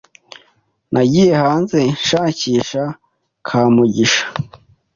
Nagiye hanze nshakisha Kamugisha.